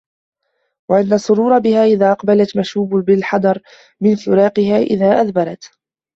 وَأَنَّ السُّرُورَ بِهَا إذَا أَقْبَلَتْ مَشُوبٌ بِالْحَذَرِ مِنْ فِرَاقِهَا إذَا أَدْبَرَتْ